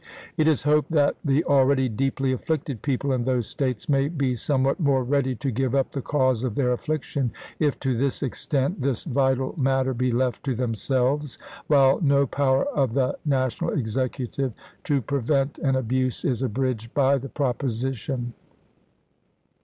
It is hoped that the already deeply afflicted people in those States may be somewhat more ready to give up the cause of their affliction if, to this extent, this vital matter be left to themselves, while no power of the Na tional Executive to prevent an abuse is abridged by the proposition."